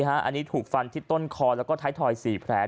อันนี้ถูกฟันที่ต้นคอแล้วก็ท้ายถอย๔แผล